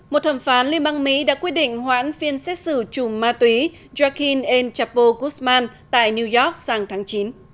một thẩm phán liên bang mỹ đã quyết định hoãn phiên xét xử chùm ma túy joaquin and chapo guzman tại new york sang tháng chín